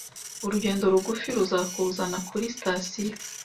Urugendo rugufi ruzakuzana kuri sitasiyo.